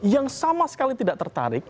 yang sama sekali tidak tertarik